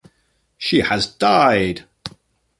She has died.